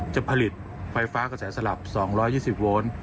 จะผลิตไฟฟ้ากระแสสลับ๒๒๐โวน